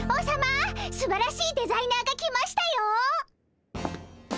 すばらしいデザイナーが来ましたよ。